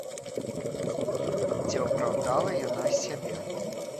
Ці апраўдала яна сябе?